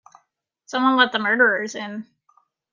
Some one let the murderers in.